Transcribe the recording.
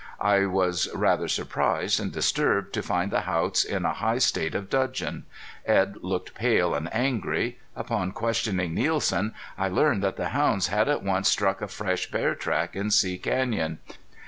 I was rather surprised and disturbed to find the Haughts in a high state of dudgeon. Edd looked pale and angry. Upon questioning Nielsen I learned that the hounds had at once struck a fresh bear track in See Canyon.